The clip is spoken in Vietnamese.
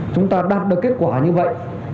chúng ta đạt được kết quả như vậy